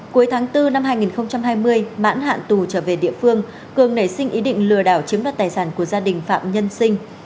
cuối tháng bốn năm hai nghìn hai mươi mãn hạn tù trở về địa phương cường nảy sinh ý định lừa đảo chiếm đoạt tài sản của gia đình phạm nhân sinh